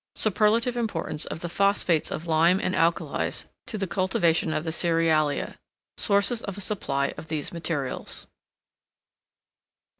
Superlative importance of the PHOSPHATES OF LIME and ALKALIES to the cultivation of the CEREALIA. Sources of a SUPPLY of these MATERIALS.